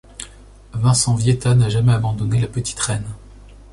Vincent Vitetta n'a jamais abandonné la petite reine.